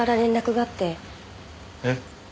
えっ？